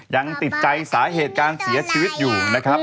ยังติดใจสาเหตุการเสียชีวิตอยู่นะครับ